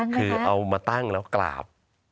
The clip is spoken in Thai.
คือเอามาตั้งแล้วกราบ